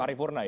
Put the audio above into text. pari purna ya